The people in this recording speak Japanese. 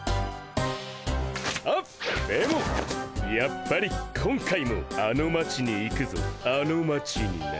あっでもやっぱり今回もあの町に行くぞあの町にな。